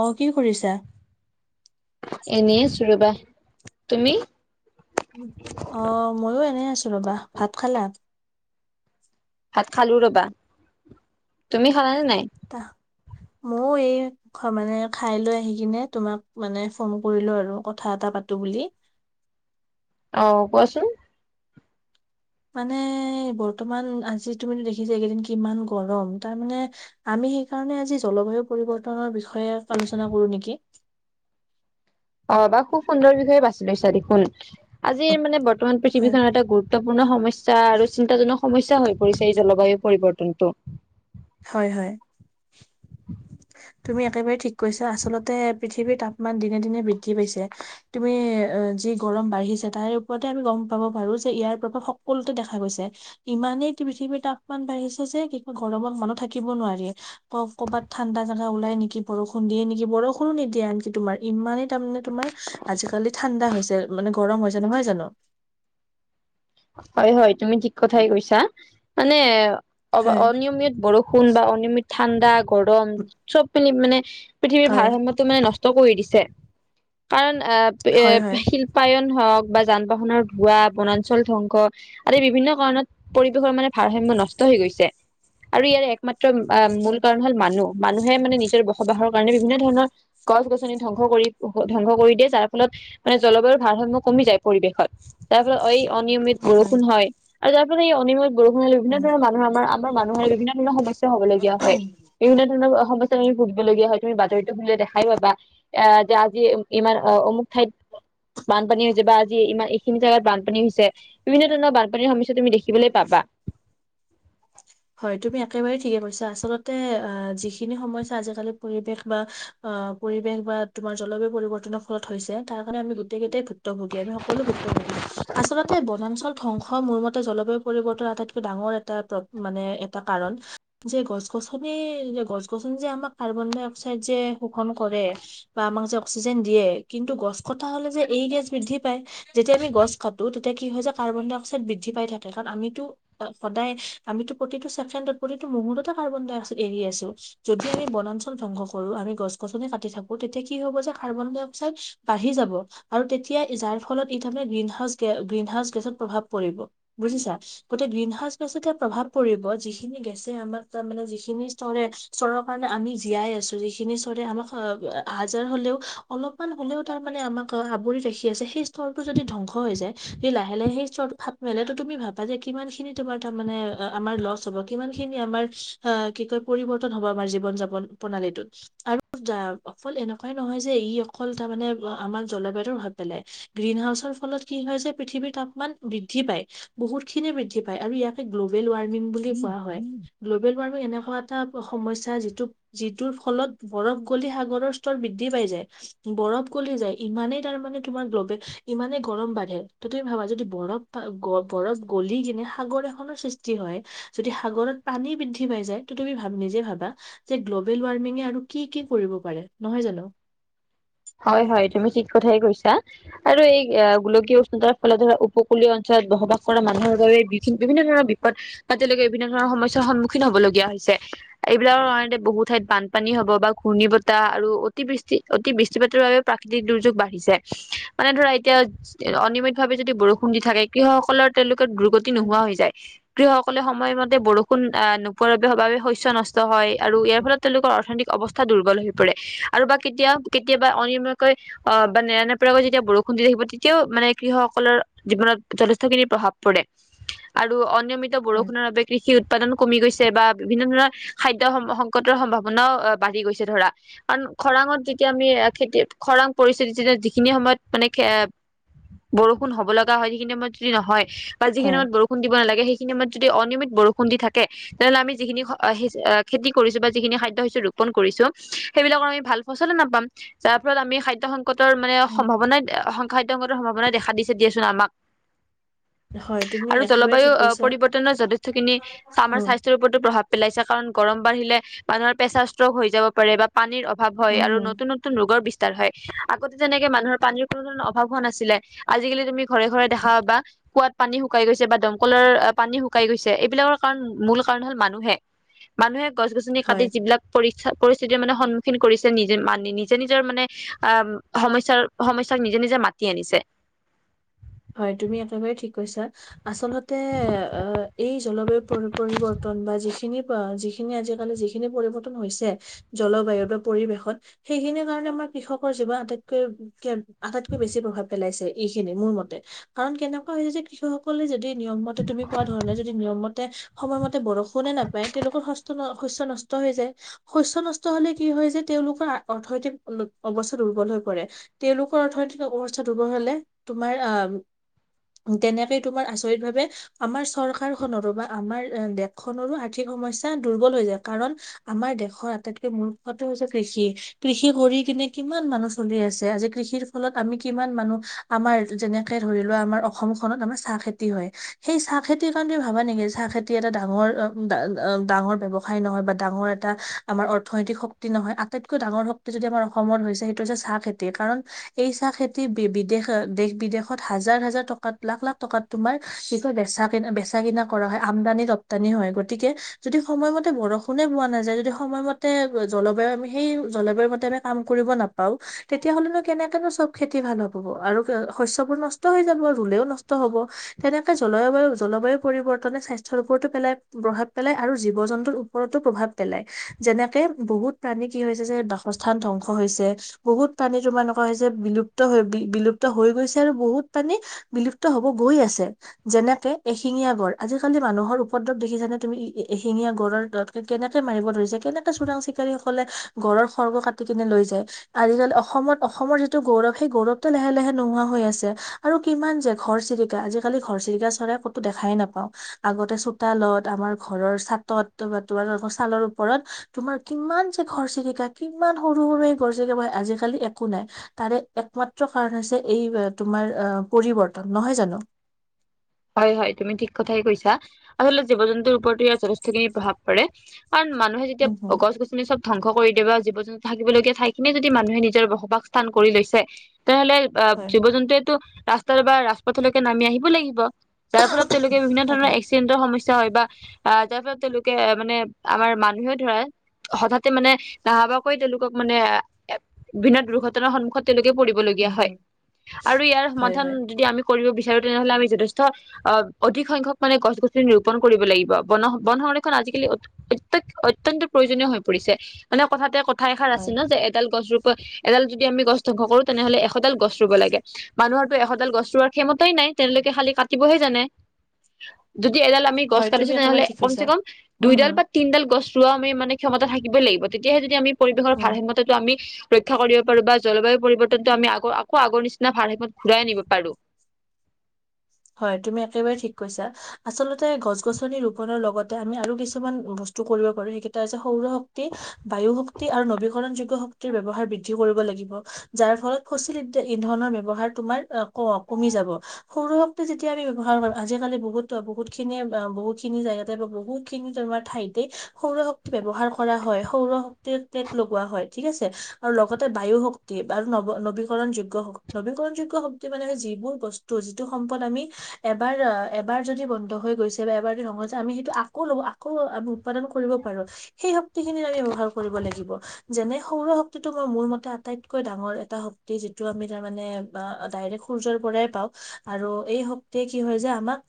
অ কি কৰিছা? এনেই আছো ৰবা। তুমি? অ মইো এনেই আছো ৰবা। ভাত খালা? ভাত খালো ৰবা। তুমি খালানে নাই? [inaudible] মৌ এই মানে খাই লৈ আহি কিনে তোমাক মানে ফোন কৰিলো আৰু কথা এটা পাতো বুলি আহ কোৱাচোন- মানে বৰ্তমান আজি তুমিতো দেখিছা এই কেইদিন কিমান গৰম তাৰমানে আমি- সেই কাৰণে আজি জলবায়ু পৰিৱৰ্তনৰ বিষয়ে আলোচনা কৰো নেকি? অ বা খুব সুন্দৰ বিষয়ে বাছি লৈছা দেখোন। আজিৰ মানে বৰ্তমান হয় পৃথিৱীখনৰ এটা গুৰুত্ব- পূৰ্ণ সমস্যা আৰু চিন্তাজনক সমস্যা হৈ পৰিছে এই জলবায়ু পৰিৱৰ্তনটো। হয় হয়। তুমি একেবাৰে ঠিক। কৈছা আচলতে পৃথিৱীৰ তাপমান দিনে দিনে বৃদ্ধি পাইছে। তুমি অ যি গৰম বাঢ়ি- তাৰে ওপৰতে আমি গম পাব পাৰো যে, ইয়াৰ প্ৰভাৱ সকলোতে দেখা গৈছে। ইমানেই পৃথিৱীৰ তাপমান বাঢ়িছে যে কিবা গৰমত মানুহ- থাকিব নোৱাৰি ক কবাত ঠাণ্ডা জেগা ওলাই নেকি, বৰষুণ দিয়ে নেকি, বৰষুণো নিদিয়ে আনকি তোমাৰ। ইমানেই। তাৰ মানে তোমাৰ আজিকালি ঠাণ্ডা হৈছে মানে গৰম হৈছে নহয় জানো। হয় হয় তুমি ঠিক কথাই কৈছা মানে- অ হয় অনিয়মিত বৰষুণ বা অনিয়মিত ঠাণ্ডা গৰম চব মিলি মানে- পৃথিৱীৰ হয় ভাৰসাম্যটো মানে নষ্ট কৰি দিছে। কাৰণ- আহ এ হয় হয় শিল্পায়ন হওক বা যান বাহনৰ ধোৱা বনা- ধ্বংস আদি বিভিন্ন কাৰণত পৰিৱেশৰ মানে ভাৰসাম্য নষ্ট হৈ গৈছে। আৰু ইয়াৰ একমাত্ৰ মূল হয় কাৰণ হ'ল মানুহ। মানুহে মানে নিজৰ বসবাহৰ- কাৰণে বিভিন্ন ধৰণৰ গছ-গছনি ধ্বংস কৰি ধ্বংস কৰি দিয়ে যাৰ ফলত মানে জলবায়ুৰ ভাৰসাম্য কমি- মি যায় পৰিৱেশত। তাৰফলত এই অনিয়মিত বৰষুণ হয় আৰু তাৰ ফলত এই অনিয়মি- বৰষুণ বিভিন্ন উম ধৰণৰ মানুৰ আমাৰ আমাৰ মানুহৰ বিভিন্ন ধৰণৰ সমস্যা হবলগীয়া হয়। বিভিন্ন ধৰণৰ সমস্যা তুমি ভুগিবলগীয়া হয়। তুমি বাতৰিতো শুলিলে দেখাই পাবা এ যে আজি ইমান অমুক ঠাইত- বানপানী হৈছে বা আজি ইমান এইখিনি জেগাত বানপানী হৈছ- ছে বিভিন্ন ধৰণৰ বানপানীৰ সমস্যা তুমি দেখিবলৈ পাবা। হয় তুমি একেবাৰেই ঠিকে কৈছা। আচলতে অ যিখিনি সমস্যা আজিকালি পৰিৱেশ বা। অ পৰিবেশ বা তোমাৰ জলবায়ু পৰিৱৰ্তনৰ ফলত হৈছে। তাৰকাৰণে আমি গোটেই কেইটাই- ভুক্তভোগীয়া আমি সকলো ভুক্তভোগী। আচলতে বনাঞ্চল ধ্বংস- হয় মোৰ মতে জলবায়ু পৰিৱৰ্তন আটাইতকৈ ডাঙৰ এটা প্ৰ- মানে এটা কাৰণ যে গছ-গছনি যে গছ-গছনি যে আমাৰ কাৰ্বন ডাই অক্সাইড যে- শোষন কৰে বা আমাক যে অক্সিজেন দিয়ে। কিন্তু গছ কটা হলে যে এই গেছ বৃদ্ধি পায়। যেতিয়া আমি গছ কাটো তেতিয়া কি হয় যে কাৰ্বন ডাই অক্সাইড বৃদ্ধি পাই থাকে কাৰণ আমিতো সদায়- আমিতো প্ৰতিটো ছেকেণ্ডত প্ৰতিটো মুহূৰ্ততে কাৰ্বন ডাই অক্সাইড এৰি আছো। যদি আমি বনাঞ্চল ধ্বংস কৰো। আমি গছ-গছনি কাটি থাকো তেতিয়া কি হ'ব যে কাৰ্বন ডাই অক্সাইড বাঢ়ি যাব আৰু তেতিয়া যাৰ ফলত- ইঠামে গ্ৰীণ হাউচ গ্ৰীণ হাউচ গেছত প্ৰভাৱ পৰিব বুজিছা। গতিকে গ্ৰীণ হাউচ গেছ- প্ৰভাৱ পৰিব। যিখিনি গেছে আমাক তাৰ মানে যিখিনি স্তনে স্তৰৰ কাৰণে আমি জীয়াই আছো। যিখ- খিনি চৰে আমাক আহা যোৱাৰ হলেও অলপমান হ'লেও তাৰ মানে আমাক আৱৰি ৰাখি আছে। সেই স্তৰ ৰটো যদি ধ্বংস হৈ যায় সি লাহে লাহে সেই সৰটো ফাত মেলে। তুমি ভাবা যে কিমান খিনি তোমাৰ তাৰ মানে- আমাৰ লচ হব কিমান খিনি আমাৰ আহ কি কয় পৰিৱৰ্তন হব আমাৰ জীৱন যাপন প্ৰণালীটোত। আৰু অকল এনেকুৱাই নহয় যে ই অকল তাৰমানে আমাৰ জলবায়ুৰ ভাৱ পেলায়। গ্ৰীণ- সঞ্চয় ফলত কি হৈছে পৃথিৱীৰ তাপ মান বৃদ্ধি পায়। বহুত খিনি বৃদ্ধি পায় আৰু ইয়াকে দু গ্ল'বেল ৱাৰ্মিং বুলি কোৱা হয়। গ্ল'বেল ৱাৰ্মিং এনেকুৱা এটা সমস্যা যিটো যিটোৰ ফলত। বৰফ গলি সাগৰৰ স্তৰ বৃদ্ধি পাই যায়, বৰফ গলি যায়। ইমানেই তাৰমানে তোমাৰ গ্ল'বেল- ইমানেই গৰম বাঢ়ে। ত তুমি ভাবা যদি বৰফ বৰফ গলি কিনে সাগৰ এখনো সৃষ্টি যে হয়। যদি সাগৰত পানী বৃদ্ধি পাই যায় ত তুমি ভা নিজে ভাবা। যে গ্ল'বেল ৱাৰ্মিঙে আৰু কি কি কৰিব পাৰে নহয় জানো। হয় হয় তুমি ঠিক কথাই কৈছা আৰু এই গোলকীয় উষ্ণতাৰ ফলত ধৰা উপকূলীয় অঞ্চল- বসবাস কৰা মানুহৰ বাবে বি বিভিন্ন ধৰণৰ বিপদ। বা তেঁওলোকে বিভিন্ন ধৰণৰ সমস্যা সন্মুখীন হ'বলগীয়া হৈছে। এইবিলাকৰ কাৰণতে বহুত ঠাইত বানপানী হব বা ঘূৰ্ণী বতাহ আৰু অতি বৃষ্টি অতি বৃ জীৱাতৰ বাবে প্ৰাকৃতিক দুৰ্যোগ বাঢ়িছে মানে ধৰা এতিয়া অনিয়মিত ভাৱে যদি বৰষুণ দি থাকে। কৃষকসকলৰ তেওঁলোকে দুৰ্গতি হয় নোহোৱা হৈ যায়। কৃষকসকলে সময়মতে বৰষুণ আহ নোপোৱাৰ বাবে সাৱ শস্য নষ্ট হয় আৰু ইয়াৰ ফলত তেওঁলোকৰ অৰ্থনতিক অৱস্থা দুৰ্বল। পৰে আৰু বা কেতিয়া? কেতিয়াবা অনিয়মীয়াকৈ অ বা নেৰানেপৰাকৈ যেতিয়া বৰষুণ দি থাকিব, তেতিয়াও মানে কৃষকসকলৰ জীৱনত। যথেষ্ঠখিনি প্ৰভাৱ পৰে আৰু অনিয়মিত হয় বৰষুণৰ বাবে কৃষি উৎপাদন- কমি গৈছে বা বিভিন্ন ধৰণৰ খাদ্য সংকটৰ সম্ভাৱনাও বাঢ়ি গৈছে ধৰা। কাৰণ খৰাঙত- এতিয়া আমি খেতি খৰাং পৰিস্থিতি যে যিখিনি সময়ত মানে খে বৰষুণ হ'ব লগা হয়। সিখিনি সময়ত যদি নহয় বা যিখিনি হয় সময়ত বৰষুণ দিব নালাগে সেই ত যদি অনিয়মিত বৰষুণ দি থাকে। তেনেহলে আমি যিখিনি খেতি কৰিছো বা যিখিনি খাদ্য হেচিলো। কৰিছো। সেইবিলাকৰ আমি ভাল নাপাম। যাৰ ফলত আমি খাদ্য সংকতৰ মানে উম, সম্ভাৱনাই। খাদ্যয় সম্ভাৱনা দেখা দিছে দিয়াচোন আমাক। হয় তুমি আৰু একেবাৰে জলবায়ু ঠিক কৈছা পৰিৱৰ্তনৰ যথেষ্টখিনি আমাৰ উম স্বাস্থ্যৰ ওপৰতো প্ৰভাৱ। পেলাইছে কাৰণ গৰম বাঢ়িলে মানুহৰ প্ৰেছাৰ ষ্ট্ৰ হৈ যাব পাৰে বা পানীৰ অভাৱ- হয় উম আৰু হম নতুন নতুন ৰোগৰ বি ৰ হয়। আগতে তেনেকে মানুহৰ পানীৰ কোনো ধৰণৰ অভাৱ হোৱা নাছিলে। আজিকালি তুমি ঘৰে ঘৰে দেখা পাবা কোৱাত। পানী শুকাই গৈছে বা দমকলৰ পানী শুকাই গৈছে এইবিলাকৰ কাৰণ মূল কাৰণ হল মানুহেই। মানুহে গছ গছনি কাটি হয় যিবিলাক পৰিক্ষ পৰিস্থিতিৰ মানে সন্মুখীন- কৰিছে নিজে মা নিজে নিজৰ মানে আহ সমস্যাৰ সমস্যাক নিজে নিজে মাতি আনিছে। [inaudible] হয় তুমি একেবাৰেই ঠিক কৈছা। আচলতে এই জলবায়ু পৰি পৰিৱৰ্তন- বা যিখিনি যিখিনি আজিকালি যিখিনি পৰিৱৰ্তন হৈছে জলবায়ু বা পৰিৱেশত- সেইখিনিৰ কাৰণে আমাৰ কৃষকৰ জীৱন আটাইতকৈ আটাইতকৈ বেছি প্ৰভাৱ পেলাইছে এইখিনি মোৰ মতে। কাৰণ কেনেকুৱা হৈছে যে কৃষক সকলে যদি নিয়মতে তুমি কোৱা ধৰণে যদি নিয়মতে সময়মতে। বৰষুণে নাপায় তেওঁলোকৰ হস্ত ন। শস্য নষ্ট হৈ যায় শস্য নষ্ট হলে কি হয় যে তেওঁলোকৰ অৰ্থনৈতিক অৱস্থা দুৰ্বল হৈ- কৰে। তেওঁলোকৰ অৰ্থনৈতিক অৱস্থা দুৰ্বল হলে তোমাৰ আহ। তেনেকেই তোমাৰ আচৰিত ভাৱে আমাৰ চৰকাৰ খনৰো বা আমাৰ দেশখনৰো আৰ্থিক সম। সমস্যা দুৰ্বল হৈ যায়। কাৰণ আমাৰ দেশৰ আটাইতকৈ মুখ্যটো হৈছে কৃষি। কৃষি কৰি কিনি। কিমান মানুহ চলি আছে। আজি কৃষিৰ ফলত আমি কিমান মানুহ আমাৰ যেনে। ধৰি লোৱা আমাৰ অসমখনত আমাৰ চাহ খেতি হয় সেই চাহ খেতিৰ কাৰণে তুমি ভাবা নেকি চাহ খেতি এটা ডাঙৰ- ডাঙৰ ব্যৱসায় নহয় বা ডাঙৰ এটা আমাৰ অৰ্থনৈতিক শক্তি নহয় আটাইতকৈ ডাঙৰ- ভক্তি যদি আমাৰ অসমত হৈছে, সেইটো হৈছে চাহ খেতি। কাৰণ এই চাহ খেতি বি বিদেশ দেশ বিদেশ। হাজাৰ হাজাৰ টকাত লাখ লাখ টকাত তোমাৰ বেচা কিনা বেচা কিনা কৰা হয়। আমদানি ৰপ্তানি। গতিকে যদি সময়মতে বৰষুণে পোৱা নাযায় যদি সময়মতে জলবায়ু আমি সেই জ- কাম কৰিব নাপাও তেতিয়া হ'লে নো কেনেকেনো চব খেতি ভাল হ'ব। আৰু শস্য- নষ্ট হৈ যাব ৰুলেও নষ্ট হ'ব তেনেকে জলায়ু জলবায়ু পৰিৱৰ্তনে স্বাস্থ্যৰ ওপৰতো পেলায়। প্ৰভাৱ পেলাই আৰু জীৱ জন্তুৰ ওপৰতো প্ৰভাৱ পেলায়। যেনেকে বহুত প্ৰাণী কি হৈছে যে। বাসস্থান ধ্বংস হৈছে। বহুত প্ৰাণী তোমাৰ এনেকুৱা হৈছে বিলুপ্ত হৈ বিলুপ্ত হৈ গৈছে। আৰু বহুত প্ৰাণী বিলুপ্ত হব গৈ আছে। যেনেকে এশিঙীয়া গড় আজিকালি মানুহৰ ওপৰত দেখিছানে তুমি এশিঙিয়া গড় ৰ কেনেকে মাৰিব ধৰিছে। কেনেকে চোৰাং চিকাৰী সকলে গড়ৰ গড়ৰ খৰ্গ কাটি কিনে লৈ যায়। আজিকালি অসমত অসমৰ যিটো গৌৰৱ সেই গৌৰৱতটো লাহে লাহে নোহোৱা হৈ আছে। আৰু কিমান যে ঘৰ চিৰিকা। আজিকালি ঘৰচিৰিকা চৰাই ক'তো দেখাই নাপাও। আগতে চোতাল তালত আমাৰ ঘৰৰ চাটত বা তোমালোকৰ ছালৰ ওপৰত তোমাৰ কিমান যে ঘৰ চিৰিকা- কিমান সৰু সৰু ঘৰ চিৰিকা আজিকালি একো নাই তাৰে একমাত্ৰ কাৰণ হৈছে এই- তোমাৰ পৰিৱৰ্তন নহয় জানো। হয় হয় তুমি ঠিক কথাই কৈছা আচলতে জীৱ জন্তুৰ ওপৰতো ইয়াৰ যথেষ্টখিনি প্ৰভাৱ পৰে। কাৰণ মানুহে যেতিয়া উম হম গছ গছনি চব। ধ্বংস কৰি দিব জীৱ জন্তু থাকিবলগীয়া ঠাইখিনিয়ে যদি মানুহে নিজৰ বসবাস স্থান কৰি লৈছে। তেনেহ'লে অ হয় জীৱ জন্তুৱেটো ৰাস্তাৰ বা ৰাজপথৰলৈকে নামি আহিবই লাগিব। যাৰ ফলত তেওঁলোকে বিভিন্ন ধৰণৰ তাকে একচিদেন্তৰ সমস্যা। হয় বা আহ যাৰ ফলত তেওঁলোকে মানে আমাৰ মানুহে ধৰা- হঠাতে মানে নাহা বোৱাকৈ তেওঁলোকক মানে বিভিন্ন দুৰ্ঘটনাৰ সন্মুখত তেওঁলোকক। পৰিলগীয়া উম হয় হুম, আৰু ইয়াৰ হয় সমাধান হয় যদি আমি কৰিব বিচাৰো তেনেহলে আমি যথেষ্ট। অ অধিক সংখ্যক মানে গছ গছনি ৰূপণ কৰিব লাগিব বন বন সংৰক্ষন আজিকালি অত্যন্ত প্ৰয়োজনীয় হৈ পৰিছে মানে কথাতে কথা এষাৰ আছে হয় ন যে এডাল গছ ৰুপ। এডাল যদি আমি গছ ধ্বংস কৰো তেনেহলে এশডাল গছ ৰুব লাগে মানুহৰতো এশডাল গছ ৰুৱাৰ ক্ষমতাই নাই [unintelligible] তেওঁলোকে খালি কাটিবহে জানে যদি এডাল আমি গছ হয় কাটিছো তুমি একেবাৰে তেনেহলে ঠিক কম চে কৈছা কম উম দুইডাল হম বা তিনডাল গছ [unintelligible] ৰোৱা আমি মানে ক্ষমতা থাকিবই লাগিব তেতিয়াহে যদি আমি পৰিৱেশৰ উম ভাৰসাম্যতাটো আমি। ৰক্ষা কৰিব পাৰো বা জলবায়ু পৰিৱৰ্তনটো আমি আগ আকৌ আগৰ নিচিনা ভাৰ সেইপত ঘূৰাই আনিব পাৰো। [inaudible] হয় তুমি একেবাৰে ঠিক কৈছা আচলতে গছ গছনি ৰোপনৰ লগতে আমি আৰু কিছুমান বস্ত কৰিব পাৰো সেইকেইটা হৈছে সৌৰ শক্তি, বায়ু শক্তি আৰু নবীকৰণ যোগ শক্তিৰ ব্যৱহাৰ বৃদ্ধি কৰিব লাগ। লাগিব যাৰ ফলত সচিল্লিধে ইন্ধন ব্যৱহাৰ তোমাৰ ক কমি যাব সৌৰ শক্তি যেতিয়া আমি ব্যৱহাৰো আজিকালি বহুতো বহু খিনিয়ে বহু খিনি জেগাতে বা বহু খিনি তেনেকুৱা ঠাইত সৌৰ শক্তি ব্যৱহাৰ কৰা হয় সৌৰ শক্তিৰ প্লেট লগোৱা হয় ঠিক আছে আৰু লগতে বায়ু। শক্তি আৰু ন নবীকৰণ যোগ্য নবীকৰণ যোগ্য শক্তি মানে যিবোৰ বস্তু যিটো। সম্পদ আমি এবাৰ এবাৰ যদি বন্ধ হৈ গৈছে বা এবাৰ যদি ধ্বংস হৈছে আমি সেইটো আকৌ লব আকৌ। আমি উৎপাদন কৰিব পাৰো সেই শক্তি খিনি আমি ব্যৱহাৰ কৰিব লাগিব যেনে সৌৰ শক্তিটো ম মোৰ মতে আটাইতকৈ ডাঙৰ এটা শক্তি যিটো আমি তাৰ মানে ডাৰেক সূৰ্যৰ পৰাই পাওঁ আৰু এই শক্তিয়ে কি হয় যে আমাক।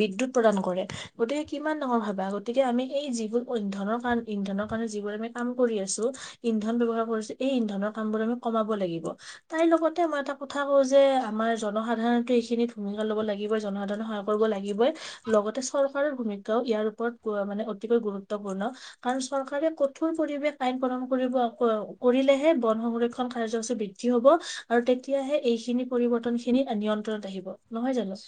বিদ্যুত প্ৰদান কৰে। গতিকে কিমান ডাঙৰ ভাবা গতিকে আমি এই যিবোৰ ইন্ধয়নৰ কাৰণ ইন্ধন। কাৰণে যিবোৰ আমি কাম কৰি আছো ইন্ধন ব্যৱহাৰ কৰিছো এই ইন্ধনৰ কাম বোৰ আমি কমাব লাগিব। তাইৰ লগতে মই এটা কথা কওঁ যে আমাৰ। জনসাধাৰণো টো এইখিনি ভূমিকা লব লাগিব জনসাধাৰণক সহায় কৰিব লাগিবই লগতে চৰকাৰৰ ভূমিকাও ইয়াৰ ওপৰত অতি গুৰুত্বপূৰ্ণ কাৰণ চৰকাৰে কঠোৰ পৰিবেশন আইন প্ৰণয়নৰ কৰিব। কৰিলেহে বন সংৰক্ষণ কাৰ্যসূচী বৃদ্ধি হব আৰু তেতিয়াহে এইখিনি পৰিৱৰ্তন খিনিত নিয়ন্ত্ৰণত আহিব নহয় জানো।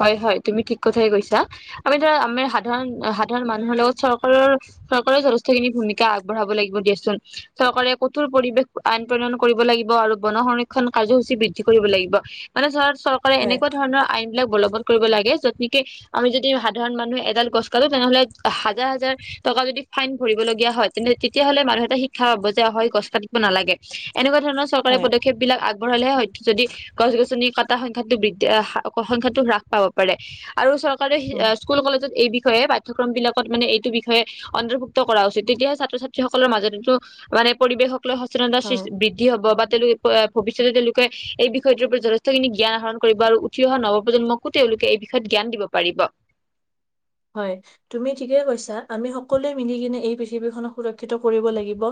হয় হয় তুমি ঠিক কথাই কৈছা আমি ধৰা আমাৰ সাধাৰণ সাধাৰণ মানুহৰ লগত চৰকাৰৰ চৰকাৰৰ যথেষ্টখিনি ভূমিকা আগবঢ়াব লাগিব দিয়া। ছোন চৰকাৰে কঠোৰ পৰিবেশ আইন প্ৰণয়ন কৰিব লাগিব আৰু বন সংৰক্ষণ কাৰ্যসূচী বৃদ্ধি কৰিব লাগিব। মানে চ চৰকাৰে হয় এনেকুৱা ধৰণৰ আইন [unintelligible] এইলাক বলবৎ কৰিব লাগে যত নেকি আমি যদি সাধাৰণ মানুহে এডাল গছ কাটো তেনেহলে হাজাৰ হাজাৰ টকা যদি ফাইন ভৰিব লগীয়া হয় তে তেতিয়া হলে মানুহ এটা শিক্ষা পাব যে অ গছ পাতিব নালাগে এনেকুৱা ধৰণৰ চৰকাৰে হয় পদক্ষেপ বিলাক আগবঢ়ালেহে হয়তো যদি গছ গছনি কটা সংখ্যাটো বৃদ্ধি সংখ্যা হ্ৰাস পাব পাৰে আৰু চৰকাৰে উম, স্কুল কলেজত এই বি বিষয়ে পাঠ্যক্ৰম বিলাকত মানে এইটো বিষয়ে অন্তৰ্ভুক্ত কৰা উচিত তেতিয়া ছাত্ৰ ছাত্ৰী সকলৰ মাজতো [unintelligible] মানে পৰিৱেশক লৈ সচেতনতা শ্ৰী হয়, বৃদ্ধি হ'ব বা। তেওঁলোকে ভৱিষ্যতে তেওঁলোকে এই বিষয়টোৰ ওপৰত যথেষ্টখিনি জ্ঞান আহৰণ কৰিব আৰু। উঠি অহা নৱপ্ৰজন্মকো তেওঁলোকে এই বিষয়ত জ্ঞান দিব পাৰিব [unintelligible] হয় তুমি ঠিকে কৈছা আমি সকলোৱে মিলি কিনে এই পৃথিৱীখনক সুৰক্ষিত কৰিব লাগিব।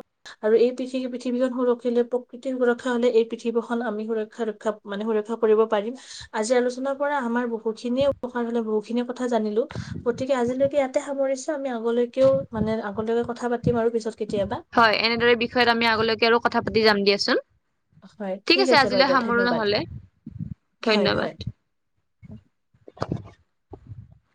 আৰু এই পৃথি পৃথিৱীখন সুৰক্ষিলে প্ৰকৃতিৰ সুৰক্ষা হলে এই পৃথিৱখন আমি সুৰক্ষা ৰক্ষা মানে সুৰা [unintelligible] কৰিব পাৰিম আজি আলোচনাৰ পৰা আমাৰ বহু খিনিয় উপকাৰ হলে বহুখিনি কথা জানিব পাৰিম। গতিকে আজিলৈকে ইয়াতে সামৰিছো আমি আগলৈকেও মানে আগলৈকে কথা পাতিম আৰু পিছত কেতিয়াবা। হয় এনেদৰে বিষয়ত আমি আগলৈকে আৰু কথা পাতি যাম দিয়াচোন। হয় ঠিক আছে বাৰু আজিলৈ দে সামৰো ধন্যবাদ। নহলে হয় ধন্যবাদ হয়। [inaudible]